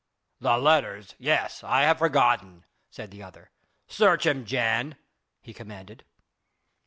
"The letters! yes! I have forgotten!" said the other. "Search him, Jan!" he commanded.